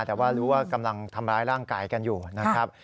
แต่ว่ารู้ว่ากำลังทำร้ายร่างกายกันอยู่นะครับ